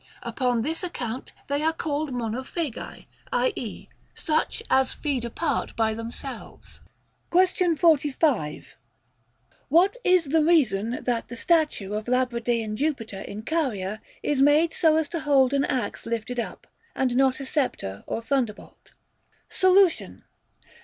Upon this account they are called Monophagi, i.e. such as feed apart by themselves. Question 45. What is the reason that the statue of Labradean Jupiter in Caria is made so as to hold an axe lifted up, and not a sceptre or thunderbolt. Solution.